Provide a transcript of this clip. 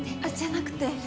あっじゃなくて。